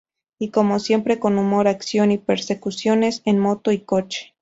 Y como siempre con humor, acción y persecuciones en moto y coche.